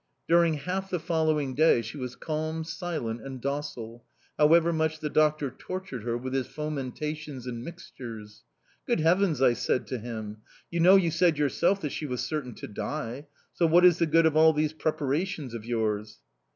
"During half the following day she was calm, silent and docile, however much the doctor tortured her with his fomentations and mixtures. "'Good heavens!' I said to him, 'you know you said yourself that she was certain to die, so what is the good of all these preparations of yours?